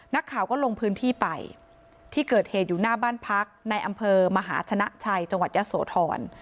นักข่าวก็ลงพื้นที่ไปที่เกิดเหตุอยู่หน้าบ้านพักในอำเภอมหาชนะชัยจังหวัดยะโสธร